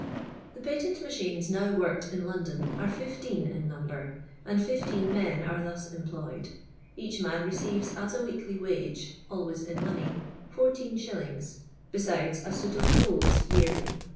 The p.it'>nt nmchines now worked in London are hfieen in number, and fifteen men ana thus emplnyed. Each man receives as a weekly wage, always in money, 14s., besides a suit of clothes yearly.